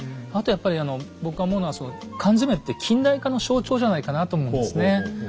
あとやっぱりあの僕が思うのは缶詰って近代化の象徴じゃないかなと思うんですね。